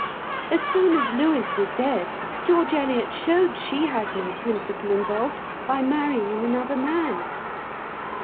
As soon as Lewes was dead, George Eliot showed she had no principle involved, by marrying another man.